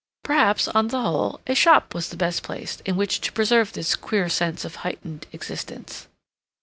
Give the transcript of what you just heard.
Perhaps, on the whole, a shop was the best place in which to preserve this queer sense of heightened existence.